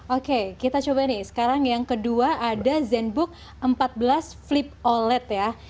oke kita coba nih sekarang yang kedua ada zenbook empat belas flip oled ya